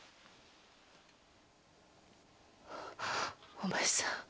お前さん。